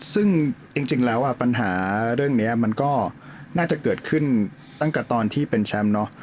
ซึ่งจริงแล้วปัญหาเรื่องนี้มันก็น่าจะเกิดขึ้นตั้งแต่ตอนที่เป็นแชมป์เนาะ